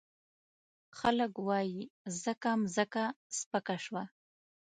خلګ وايي ځکه مځکه سپکه شوه.